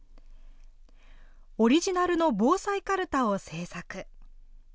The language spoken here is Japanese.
オリジナルの防災カルタを制作。